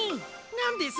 なんです？